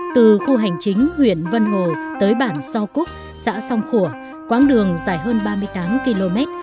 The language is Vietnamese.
từ khu hành chính huyện vân hồ tới bản sao cúc xã song khủa quãng đường dài hơn ba mươi tám km